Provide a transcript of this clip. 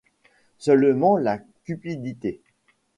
Seulement la cupidité.